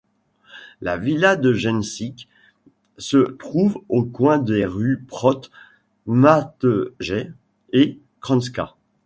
La villa de Genčić se trouve au coin des rues Prote Mateje et Krunska.